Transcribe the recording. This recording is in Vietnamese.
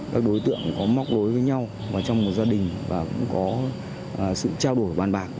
các đối tượng có móc đối với nhau và trong một gia đình và cũng có sự trao đổi bàn bạc